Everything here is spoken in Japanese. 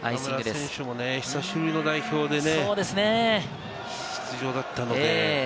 中村選手も久しぶりの代表でね、出場だったので。